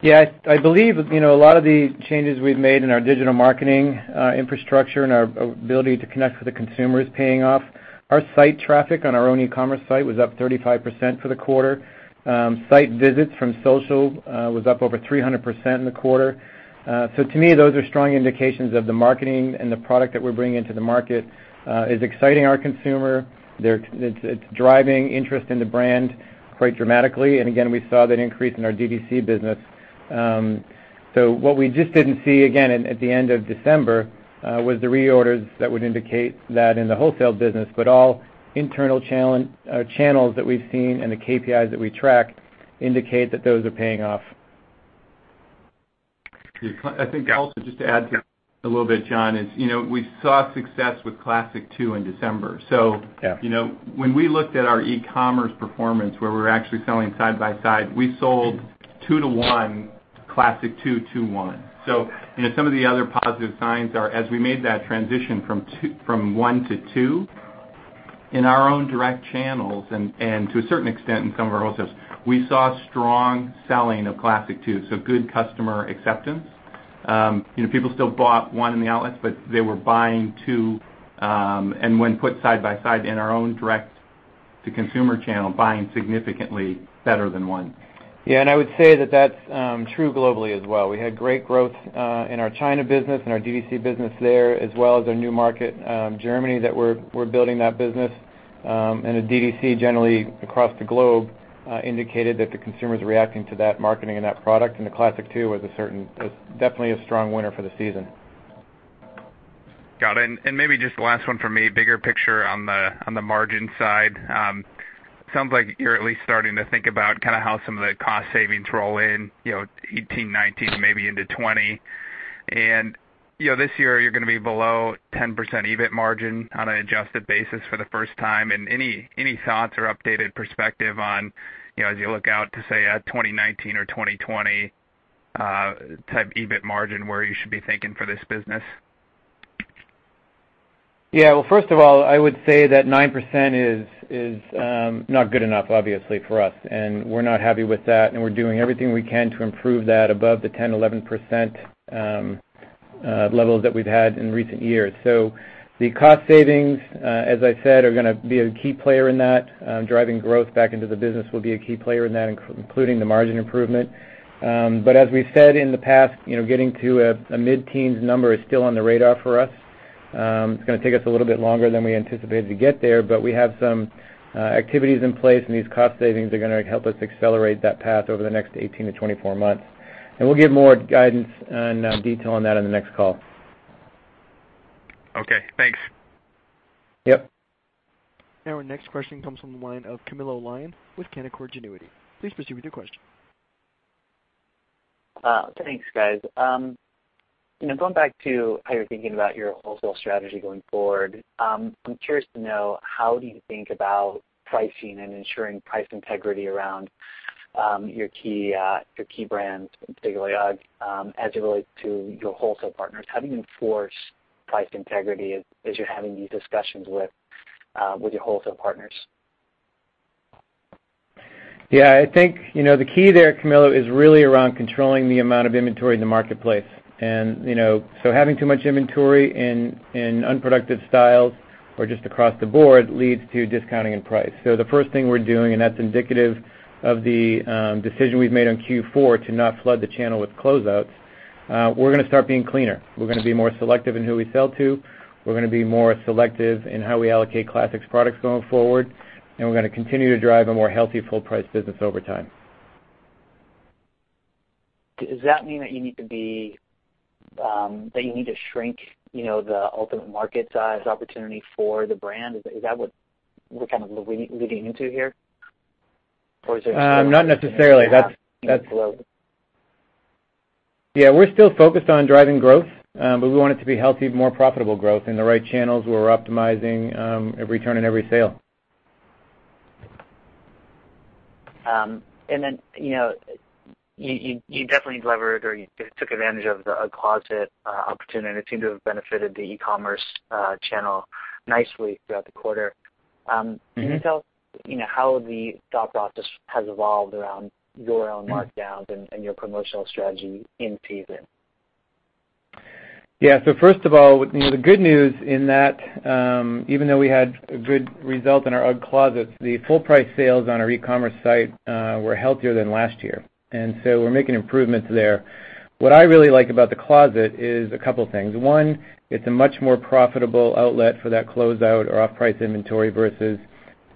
Yeah, I believe a lot of the changes we've made in our digital marketing infrastructure and our ability to connect with the consumer is paying off. Our site traffic on our own e-commerce site was up 35% for the quarter. Site visits from social was up over 300% in the quarter. To me, those are strong indications of the marketing and the product that we're bringing into the market is exciting our consumer. It's driving interest in the brand quite dramatically. Again, we saw that increase in our DTC business. What we just didn't see, again, at the end of December, was the reorders that would indicate that in the wholesale business, but all internal channels that we've seen and the KPIs that we track indicate that those are paying off. I think also just to add a little bit, John, is we saw success with Classic II in December. Yeah. When we looked at our e-commerce performance, where we're actually selling side by side, we sold two to one Classic II to I. Some of the other positive signs are as we made that transition from I to II, in our own direct channels and to a certain extent in some of our wholesales, we saw strong selling of Classic II, good customer acceptance. People still bought I in the outlets, but they were buying II, and when put side by side in our own direct to consumer channel, buying significantly better than I. Yeah, I would say that that's true globally as well. We had great growth in our China business, in our DTC business there, as well as our new market, Germany, that we're building that business. The DTC generally across the globe indicated that the consumer's reacting to that marketing and that product, and the Classic II was definitely a strong winner for the season. Got it. Maybe just the last one from me, bigger picture on the margin side. It sounds like you're at least starting to think about how some of the cost savings roll in 2018, 2019, maybe into 2020. This year, you're going to be below 10% EBIT margin on an adjusted basis for the first time. Any thoughts or updated perspective on as you look out to, say, a 2019 or 2020 type EBIT margin where you should be thinking for this business? First of all, I would say that 9% is not good enough, obviously, for us, we're not happy with that, and we're doing everything we can to improve that above the 10, 11% levels that we've had in recent years. The cost savings, as I said, are going to be a key player in that. Driving growth back into the business will be a key player in that, including the margin improvement. As we've said in the past, getting to a mid-teens number is still on the radar for us. It's going to take us a little bit longer than we anticipated to get there, but we have some activities in place, and these cost savings are going to help us accelerate that path over the next 18-24 months. We'll give more guidance and detail on that in the next call. Okay, thanks. Yep. Our next question comes from the line of Camilo Lyon with Canaccord Genuity. Please proceed with your question. Thanks, guys. Going back to how you're thinking about your wholesale strategy going forward, I'm curious to know how do you think about pricing and ensuring price integrity around your key brands, particularly UGG, as it relates to your wholesale partners? How do you enforce price integrity as you're having these discussions with your wholesale partners? Yeah, I think the key there, Camilo, is really around controlling the amount of inventory in the marketplace. Having too much inventory in unproductive styles or just across the board leads to discounting and price. The first thing we're doing, and that's indicative of the decision we've made on Q4 to not flood the channel with closeouts, we're going to start being cleaner. We're going to be more selective in who we sell to. We're going to be more selective in how we allocate Classics products going forward, and we're going to continue to drive a more healthy full-price business over time. Does that mean that you need to shrink the ultimate market size opportunity for the brand? Is that what we're kind of leading into here? Not necessarily. Yeah, we're still focused on driving growth, we want it to be healthy, more profitable growth in the right channels where we're optimizing every turn and every sale. You definitely leveraged or you took advantage of the UGG Closet opportunity, and it seemed to have benefited the e-commerce channel nicely throughout the quarter. Can you tell how the thought process has evolved around your own markdowns and your promotional strategy in season? Yeah. First of all, the good news in that, even though we had a good result in our UGG Closets, the full price sales on our e-commerce site were healthier than last year. We're making improvements there. What I really like about the Closet is a couple things. One, it's a much more profitable outlet for that closeout or off-price inventory versus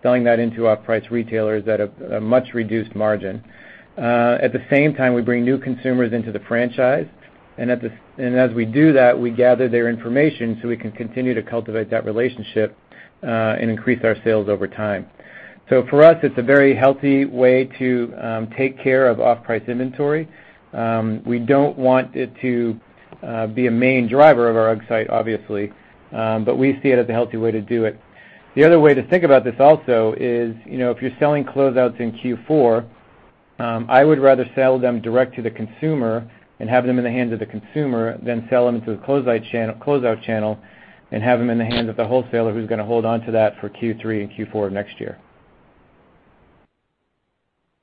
selling that into off-price retailers at a much reduced margin. At the same time, we bring new consumers into the franchise, and as we do that, we gather their information so we can continue to cultivate that relationship increase our sales over time. For us, it's a very healthy way to take care of off-price inventory. We don't want it to be a main driver of our UGG site, obviously, but we see it as a healthy way to do it. The other way to think about this also is, if you're selling closeouts in Q4, I would rather sell them direct to the consumer and have them in the hands of the consumer than sell them into the closeout channel and have them in the hands of the wholesaler who's going to hold onto that for Q3 and Q4 next year.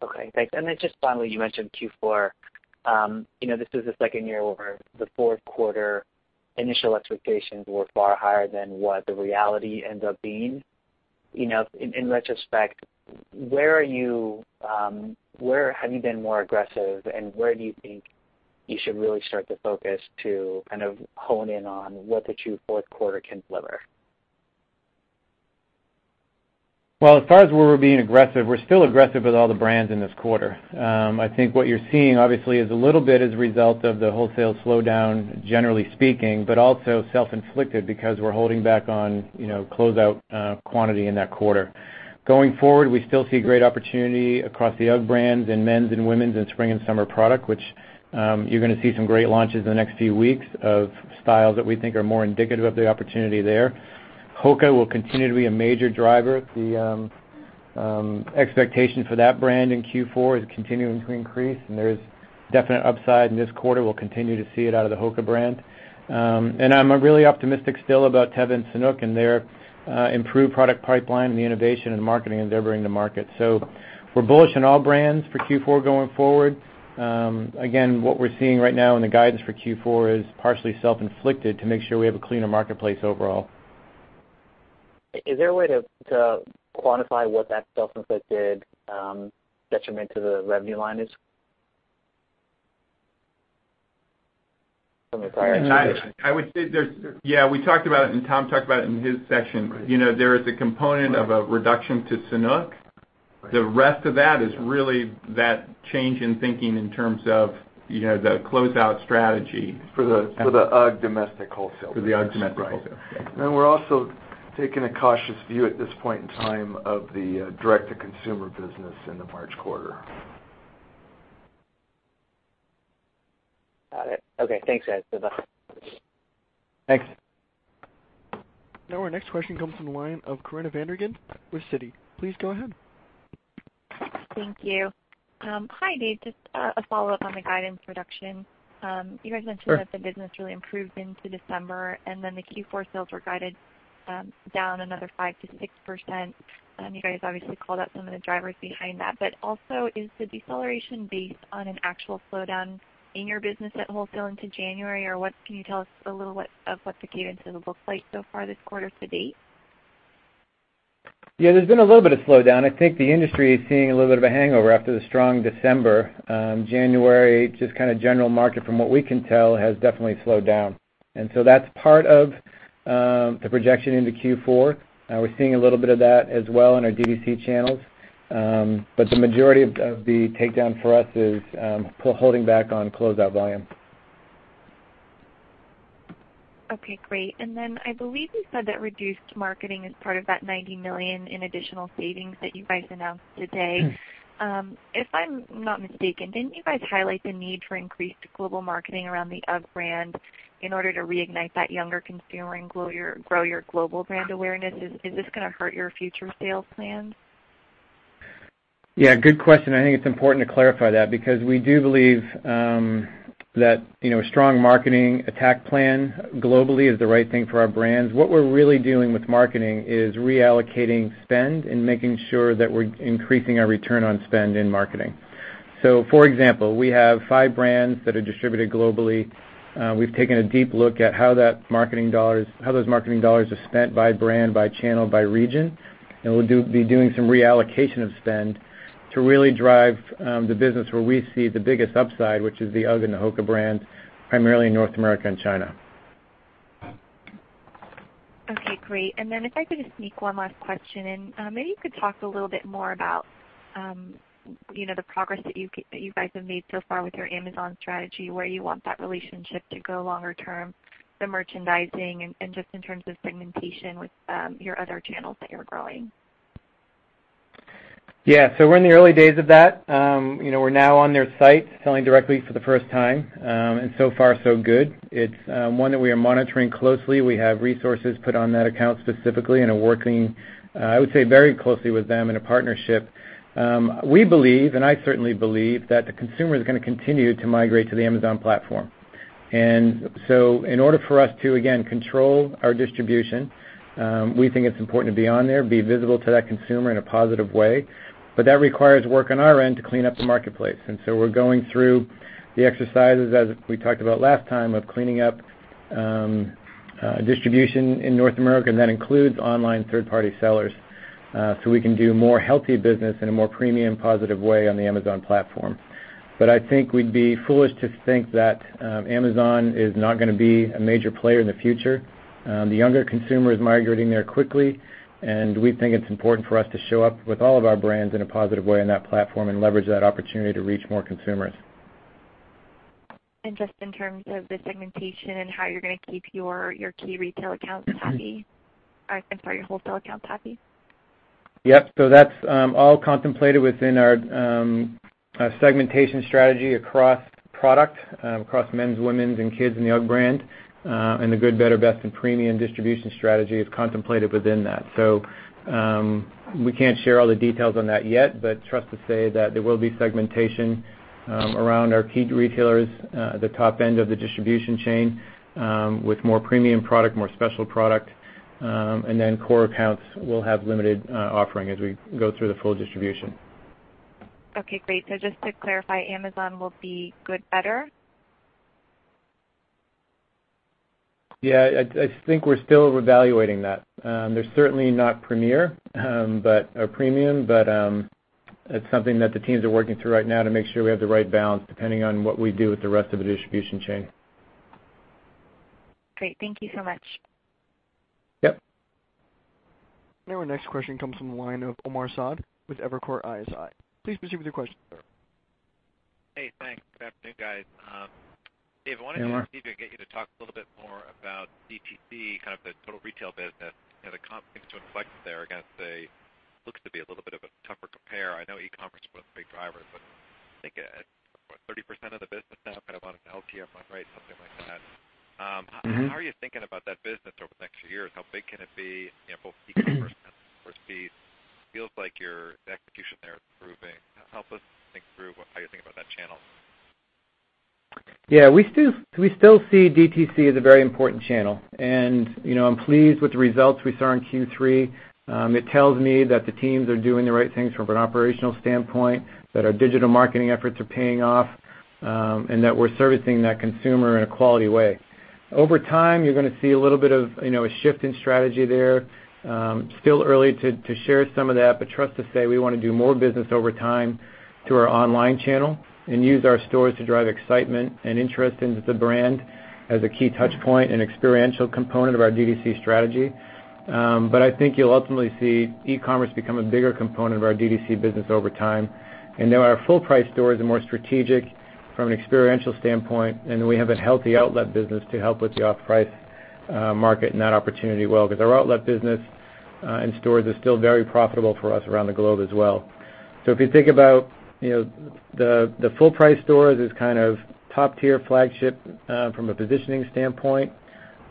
Okay, thanks. Then just finally, you mentioned Q4. This was the second year where the fourth quarter initial expectations were far higher than what the reality ended up being. In retrospect, where have you been more aggressive and where do you think you should really start to focus to kind of hone in on what the Q4 quarter can deliver? Well, as far as where we're being aggressive, we're still aggressive with all the brands in this quarter. I think what you're seeing, obviously, is a little bit as a result of the wholesale slowdown, generally speaking, but also self-inflicted because we're holding back on closeout quantity in that quarter. Going forward, we still see great opportunity across the UGG brands and men's and women's in spring and summer product, which you're going to see some great launches in the next few weeks of styles that we think are more indicative of the opportunity there. HOKA will continue to be a major driver. The expectation for that brand in Q4 is continuing to increase, and there's definite upside in this quarter. We'll continue to see it out of the HOKA brand. I'm really optimistic still about Teva and Sanuk and their improved product pipeline and the innovation and marketing they're bringing to market. We're bullish on all brands for Q4 going forward. Again, what we're seeing right now in the guidance for Q4 is partially self-inflicted to make sure we have a cleaner marketplace overall. Is there a way to quantify what that self-inflicted detriment to the revenue line is from the prior year? Yeah, we talked about it, and Tom talked about it in his section. Right. There is a component of a reduction to Sanuk. The rest of that is really that change in thinking in terms of the closeout strategy- For the UGG domestic wholesale business. For the UGG domestic wholesale business. Right. We're also taking a cautious view at this point in time of the Direct-to-Consumer business in the March quarter. Got it. Okay. Thanks, guys. Bye-bye. Thanks. Our next question comes from the line of Corinna Van Der Ghinst with Citi. Please go ahead. Thank you. Hi, Dave. Just a follow-up on the guidance reduction. You guys mentioned that the business really improved into December, and then the Q4 sales were guided down another 5%-6%. You guys obviously called out some of the drivers behind that. Also, is the deceleration based on an actual slowdown in your business at wholesale into January? Or what can you tell us a little what of what the guidance looks like so far this quarter to date? Yeah, there's been a little bit of slowdown. I think the industry is seeing a little bit of a hangover after the strong December. January, just kind of general market from what we can tell, has definitely slowed down. That's part of the projection into Q4. We're seeing a little bit of that as well in our D2C channels. The majority of the takedown for us is holding back on closeout volume. Okay, great. I believe you said that reduced marketing is part of that $90 million in additional savings that you guys announced today. If I'm not mistaken, didn't you guys highlight the need for increased global marketing around the UGG brand in order to reignite that younger consumer and grow your global brand awareness? Is this going to hurt your future sales plans? Yeah, good question. I think it's important to clarify that because we do believe that a strong marketing attack plan globally is the right thing for our brands. What we're really doing with marketing is reallocating spend and making sure that we're increasing our return on spend in marketing. For example, we have five brands that are distributed globally. We've taken a deep look at how those marketing dollars are spent by brand, by channel, by region. We'll be doing some reallocation of spend to really drive the business where we see the biggest upside, which is the UGG and the HOKA brands, primarily in North America and China. Okay, great. If I could just sneak one last question in. Maybe you could talk a little bit more about the progress that you guys have made so far with your Amazon strategy, where you want that relationship to go longer term, the merchandising and just in terms of segmentation with your other channels that you're growing. Yeah. We're in the early days of that. We're now on their site selling directly for the first time. So far, so good. It's one that we are monitoring closely. We have resources put on that account specifically and are working, I would say, very closely with them in a partnership. We believe, and I certainly believe, that the consumer is going to continue to migrate to the Amazon platform. In order for us to, again, control our distribution, we think it's important to be on there, be visible to that consumer in a positive way. That requires work on our end to clean up the marketplace. We're going through the exercises, as we talked about last time, of cleaning up distribution in North America, and that includes online third-party sellers, so we can do more healthy business in a more premium, positive way on the Amazon platform. I think we'd be foolish to think that Amazon is not going to be a major player in the future. The younger consumer is migrating there quickly, and we think it's important for us to show up with all of our brands in a positive way on that platform and leverage that opportunity to reach more consumers. Just in terms of the segmentation and how you're going to keep your key retail accounts happy. I'm sorry, your wholesale accounts happy. Yep. That's all contemplated within our segmentation strategy across product, across men's, women's, and kids in the UGG brand. The good, better, best, and premium distribution strategy is contemplated within that. We can't share all the details on that yet, trust to say that there will be segmentation around our key retailers at the top end of the distribution chain with more premium product, more special product, and then core accounts will have limited offering as we go through the full distribution. Okay, great. Just to clarify, Amazon will be good, better? I think we're still evaluating that. They're certainly not premier or premium, but it's something that the teams are working through right now to make sure we have the right balance depending on what we do with the rest of the distribution chain. Great. Thank you so much. Yep. Our next question comes from the line of Omar Saad with Evercore ISI. Please proceed with your question, sir. Hey, thanks. Good afternoon, guys. Dave. Hey, Omar. see if I could get you to talk a little bit more about DTC, kind of the total retail business. The comp things to reflect there against looks to be a little bit of a tougher compare. I know e-commerce was a big driver, but I think, what, 30% of the business now, kind of on an LTM, if I'm right, something like that. How are you thinking about that business over the next few years? How big can it be in both e-commerce and store speeds? Feels like your execution there is improving. Help us think through how you think about that channel. We still see DTC as a very important channel. I'm pleased with the results we saw in Q3. It tells me that the teams are doing the right things from an operational standpoint, that our digital marketing efforts are paying off, and that we're servicing that consumer in a quality way. Over time, you're going to see a little bit of a shift in strategy there. Still early to share some of that, trust to say, we want to do more business over time through our online channel and use our stores to drive excitement and interest into the brand as a key touch point and experiential component of our DTC strategy. I think you'll ultimately see e-commerce become a bigger component of our DTC business over time. Now our full-price stores are more strategic from an experiential standpoint, and we have a healthy outlet business to help with the off-price market and that opportunity well, because our outlet business and stores are still very profitable for us around the globe as well. If you think about the full-price stores as kind of top-tier flagship from a positioning standpoint,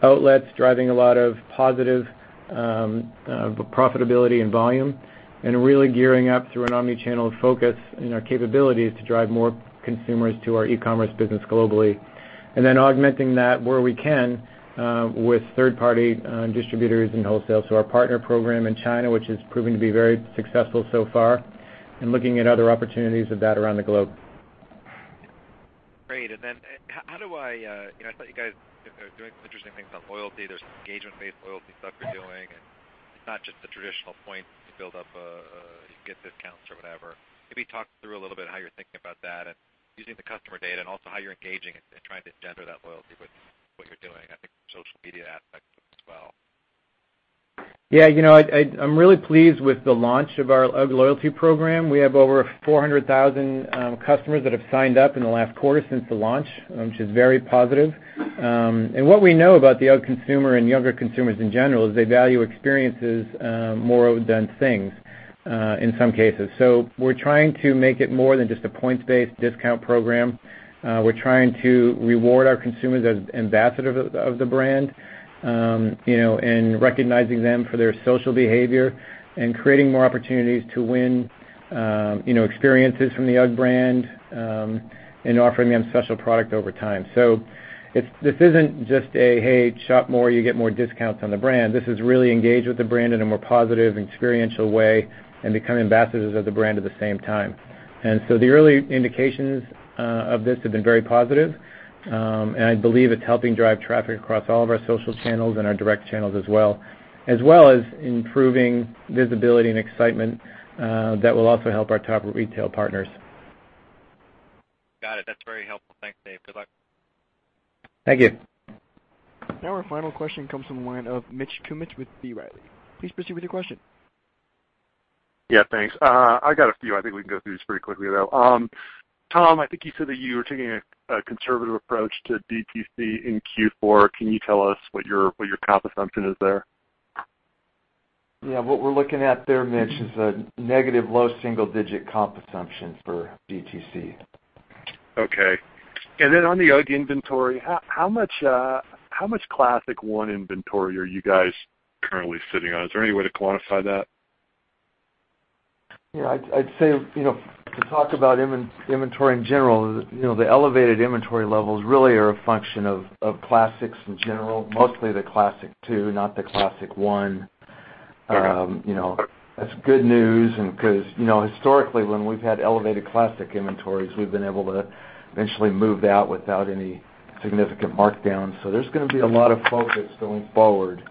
outlets driving a lot of positive profitability and volume, and really gearing up through an omni-channel focus and our capabilities to drive more consumers to our e-commerce business globally. Then augmenting that where we can with third-party distributors and wholesalers. Our partner program in China, which is proving to be very successful so far, and looking at other opportunities of that around the globe. Great. I thought you guys are doing some interesting things on loyalty. There's some engagement-based loyalty stuff you're doing, it's not just the traditional points to build up. You can get discounts or whatever. Maybe talk through a little bit how you're thinking about that and using the customer data and also how you're engaging and trying to engender that loyalty with what you're doing. I think the social media aspect as well. Yeah. I'm really pleased with the launch of our UGG Loyalty Program. We have over 400,000 customers that have signed up in the last quarter since the launch, which is very positive. What we know about the UGG consumer and younger consumers in general is they value experiences more than things in some cases. We're trying to make it more than just a points-based discount program. We're trying to reward our consumers as ambassadors of the brand, and recognizing them for their social behavior and creating more opportunities to win experiences from the UGG brand, and offering them special product over time. This isn't just a, "Hey, shop more, you get more discounts on the brand." This is really engage with the brand in a more positive, experiential way and become ambassadors of the brand at the same time. The early indications of this have been very positive. I believe it's helping drive traffic across all of our social channels and our direct channels as well, as well as improving visibility and excitement that will also help our top retail partners. Got it. That's very helpful. Thanks, Dave. Good luck. Thank you. Our final question comes from the line of Mitch Kummetz with B. Riley & Co. Please proceed with your question. Yeah, thanks. I got a few. I think we can go through these pretty quickly, though. Tom, I think you said that you were taking a conservative approach to DTC in Q4. Can you tell us what your comp assumption is there? Yeah. What we're looking at there, Mitch, is a negative low single-digit comp assumption for DTC. Okay. On the UGG inventory, how much Classic I inventory are you guys currently sitting on? Is there any way to quantify that? Yeah, I'd say, to talk about inventory in general, the elevated inventory levels really are a function of classics in general, mostly the Classic II, not the Classic I. Okay. That's good news because historically, when we've had elevated Classic inventories, we've been able to eventually move that without any significant markdowns. There's going to be a lot of focus going forward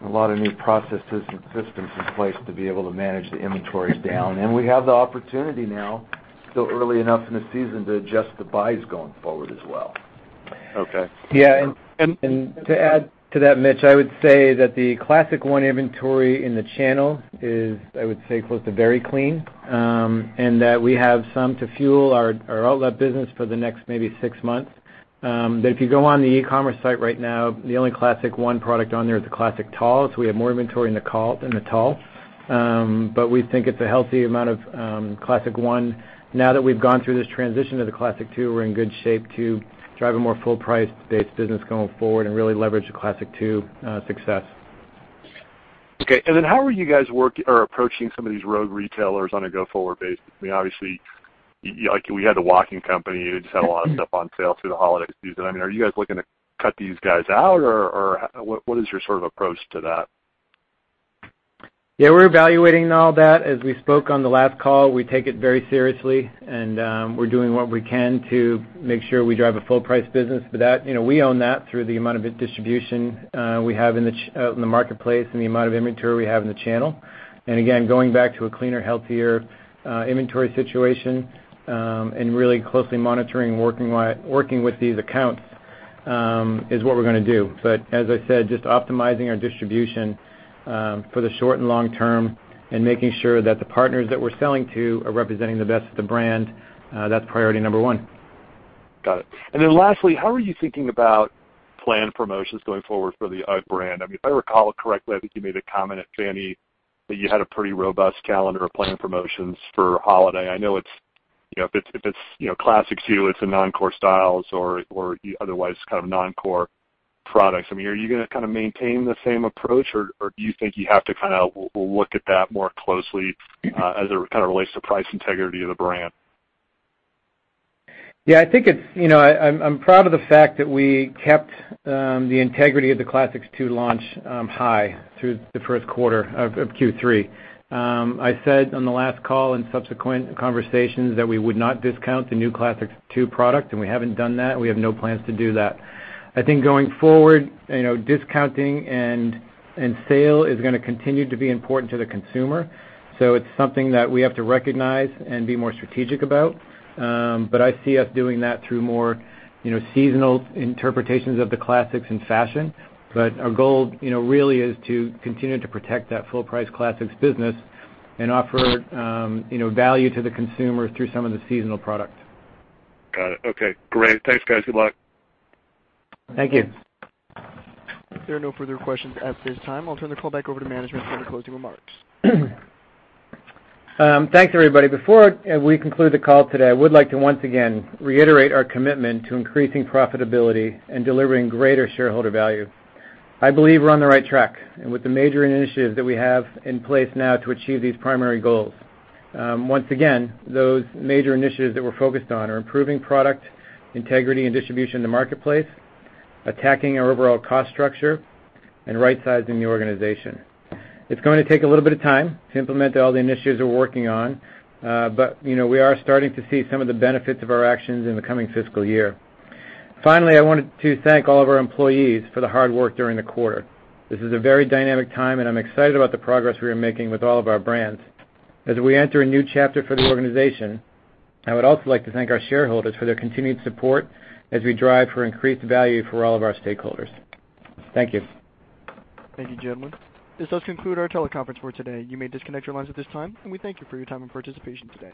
and a lot of new processes and systems in place to be able to manage the inventory down. We have the opportunity now, still early enough in the season, to adjust the buys going forward as well. Okay. Yeah. To add to that, Mitch, I would say that the Classic I inventory in the channel is, I would say, close to very clean, and that we have some to fuel our outlet business for the next maybe six months. If you go on the e-commerce site right now, the only Classic I product on there is the Classic Tall. We have more inventory in the Tall. We think it's a healthy amount of Classic I. Now that we've gone through this transition to the Classic II, we're in good shape to drive a more full price-based business going forward and really leverage the Classic II success. Okay. How are you guys approaching some of these rogue retailers on a go-forward basis? Obviously, we had The Walking Company who just had a lot of stuff on sale through the holiday season. Are you guys looking to cut these guys out, or what is your approach to that? Yeah. We're evaluating all that. As we spoke on the last call, we take it very seriously, and we're doing what we can to make sure we drive a full-price business. We own that through the amount of distribution we have in the marketplace and the amount of inventory we have in the channel. Again, going back to a cleaner, healthier inventory situation, and really closely monitoring working with these accounts, is what we're going to do. As I said, just optimizing our distribution for the short and long term and making sure that the partners that we're selling to are representing the best of the brand, that's priority number 1. Got it. Lastly, how are you thinking about planned promotions going forward for the UGG brand? If I recall correctly, I think you made a comment at FN PLATFORM that you had a pretty robust calendar of planned promotions for holiday. I know if it's Classic II, it's a non-core styles or otherwise kind of non-core products. Are you going to maintain the same approach, or do you think you have to look at that more closely as it relates to price integrity of the brand? Yeah. I'm proud of the fact that we kept the integrity of the Classic II launch high through the first quarter of Q3. I said on the last call in subsequent conversations that we would not discount the new Classic II product, and we haven't done that, and we have no plans to do that. I think going forward, discounting and sale is going to continue to be important to the consumer. It's something that we have to recognize and be more strategic about. I see us doing that through more seasonal interpretations of the Classics in fashion. Our goal really is to continue to protect that full-price Classics business and offer value to the consumer through some of the seasonal products. Got it. Okay, great. Thanks, guys. Good luck. Thank you. There are no further questions at this time. I'll turn the call back over to management for any closing remarks. Thanks, everybody. Before we conclude the call today, I would like to once again reiterate our commitment to increasing profitability and delivering greater shareholder value. I believe we're on the right track with the major initiatives that we have in place now to achieve these primary goals. Once again, those major initiatives that we're focused on are improving product integrity and distribution in the marketplace, attacking our overall cost structure, and right-sizing the organization. It's going to take a little bit of time to implement all the initiatives we're working on. We are starting to see some of the benefits of our actions in the coming fiscal year. Finally, I wanted to thank all of our employees for the hard work during the quarter. This is a very dynamic time, and I'm excited about the progress we are making with all of our brands. As we enter a new chapter for the organization, I would also like to thank our shareholders for their continued support as we drive for increased value for all of our stakeholders. Thank you. Thank you, gentlemen. This does conclude our teleconference for today. You may disconnect your lines at this time, and we thank you for your time and participation today.